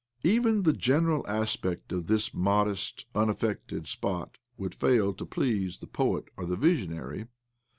Even the general aspect of this modest, unaffected spot would fail to please the poet or the visionary.